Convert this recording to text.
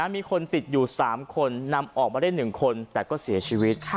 มีคนติดอยู่๓คนนำออกมาได้๑คนแต่ก็เสียชีวิต